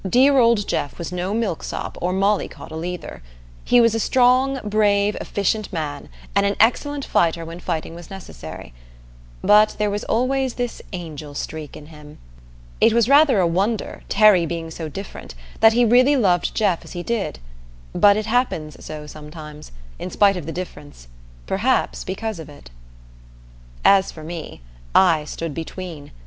Dear old Jeff was no milksop or molly coddle either. He was a strong, brave, efficient man, and an excellent fighter when fighting was necessary. But there was always this angel streak in him. It was rather a wonder, Terry being so different, that he really loved Jeff as he did; but it happens so sometimes, in spite of the difference perhaps because of it. As for me, I stood between.